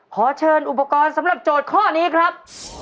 ขอเชิญอุปกรณ์สำหรับโจทย์ข้อนี้ครับ